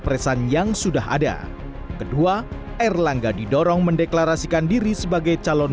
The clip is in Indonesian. presan yang sudah ada kedua erlangga didorong mendeklarasikan diri sebagai calon